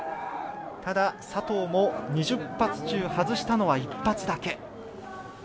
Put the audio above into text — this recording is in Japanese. ただ、佐藤も２０発中外したのは１発だけ。